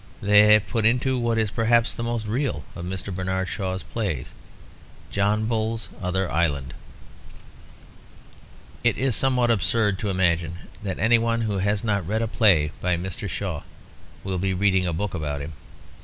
They have been put into what is perhaps the most real of Mr. Bernard Shaw's plays, John Bull's Other Island. It is somewhat absurd to imagine that any one who has not read a play by Mr. Shaw will be reading a book about him.